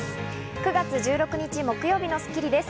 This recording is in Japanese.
９月１６日、木曜日の『スッキリ』です。